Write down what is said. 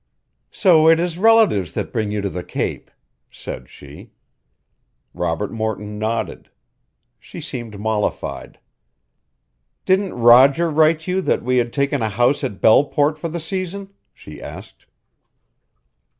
"So it is relatives that bring you to the Cape!" said she. Robert Morton nodded. She seemed mollified. "Didn't Roger write you that we had taken a house at Belleport for the season?" she asked.